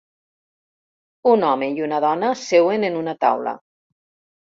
Un home i una dona seuen en una taula.